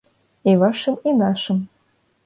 І вашым, і нашым.